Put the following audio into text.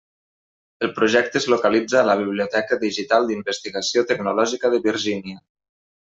El projecte es localitza a la Biblioteca Digital d'Investigació tecnològica de Virgínia.